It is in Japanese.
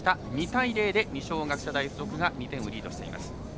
２対０で二松学舎大付属がリードしています。